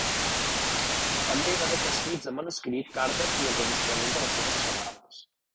També va deixar escrits en manuscrit, cartes i enregistraments de les seves xerrades.